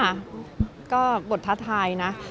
ค่ะก็บททัชทายนะ